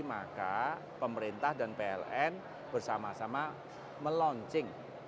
maka pemerintah dan pln bersama sama melaunching